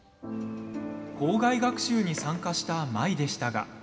校外学習に参加した舞でしたが。